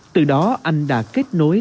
từ đó anh đã kết nối